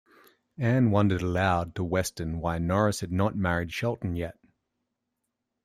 Anne wondered aloud to Weston why Norris had not married Shelton yet.